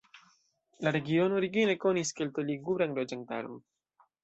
La regiono origine konis kelto-liguran loĝantaron.